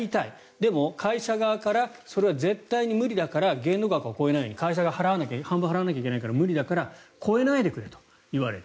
でも、会社側からそれは絶対に無理だから限度額を超えないように会社側が半分払わなきゃいけないから無理だから超えないでくれと言われる。